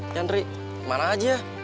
jantri kemana aja